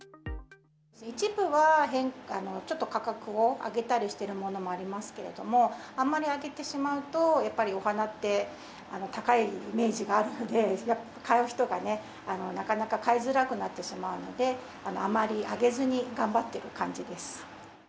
一部はちょっと価格を上げたりしているものもありますけれども、あんまり上げてしまうと、やっぱりお花って高いイメージがあるので、買う人がね、なかなか買いづらくなってしまうので、あまり上げずに頑張ってる感じです。